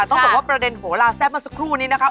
ต้องบอกว่าประเด็นโหลาแซ่บเมื่อสักครู่นี้นะคะ